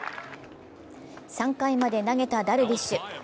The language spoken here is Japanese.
３回まで投げたダルビッシュ。